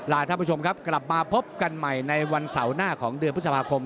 ท่านผู้ชมครับกลับมาพบกันใหม่ในวันเสาร์หน้าของเดือนพฤษภาคม